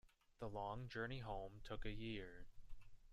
The long journey home took a year.